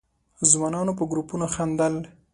ځوانانو په گروپونو خندل.